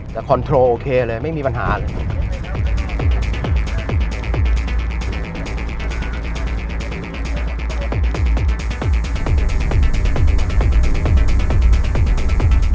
แต่คอนโทรโอเคเลยไม่มีปัญหาเลย